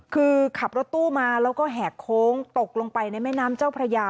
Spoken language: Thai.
คือขับรถตู้มาแล้วก็แหกโค้งตกลงไปในแม่น้ำเจ้าพระยา